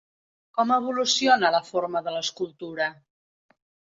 Com evoluciona la forma de l'escultura?